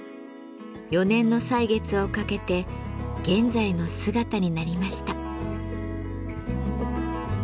４年の歳月をかけて現在の姿になりました。